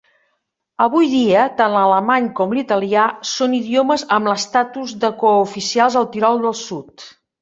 Avui dia, tant l'alemany com l'italià són idiomes amb l'estatus de cooficials al Tirol del Sud.